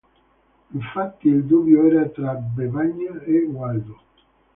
Infatti, il dubbio era tra Bevagna e Gualdo.